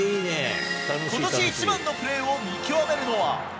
ことし一番のプレーを見極めるのは。